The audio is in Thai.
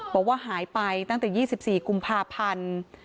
บอกว่าหายไปตั้งแต่๒๔กุมภาพันธ์